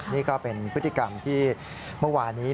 นี่ก็เป็นพฤติกรรมที่เมื่อวานี้